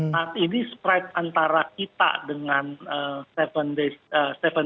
nah ini spread antara kita dengan tujuh days